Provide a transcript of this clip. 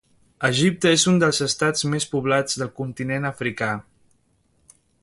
Egipte és un dels Estats més poblats del continent africà.